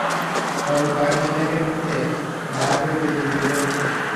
তবে কয়েক নেতাকে মুখ ভার করে ফিরে যেতে দেখে সে।